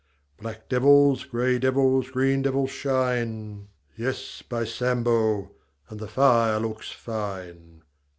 Black devils, grey devils, green devils shine — Yes, by Sambo, And the fire looks fine!